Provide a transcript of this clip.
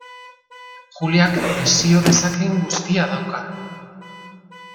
Juliak desio dezakeen guztia dauka.